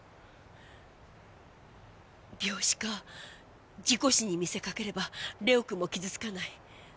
病死か事故死に見せかければ玲央君も傷つかない。